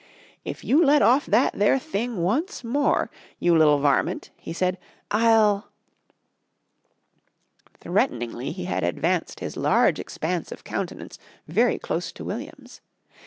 "If you let off that there thing once more, you little varmint," he said, "I'll " Threateningly he had advanced his large expanse of countenance very close to William's.